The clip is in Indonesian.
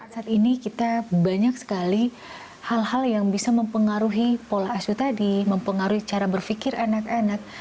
saat ini kita banyak sekali hal hal yang bisa mempengaruhi pola asuh tadi mempengaruhi cara berpikir anak anak